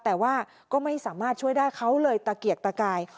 แต่ว่าก็ไม่สามารถช่วยได้เขาเลยตะเกียกตะกาย